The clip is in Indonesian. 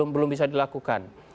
belum bisa dilakukan